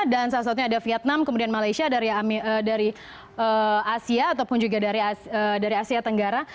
dan salah satunya ada vietnam kemudian malaysia dari asia ataupun juga dari asia tenggara